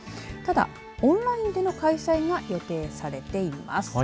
ただ、オンラインでの開催が予定されています。